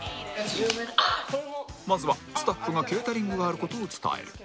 まずはスタッフがケータリングがある事を伝える